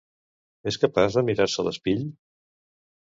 És capaç de mirar-se a l'espill?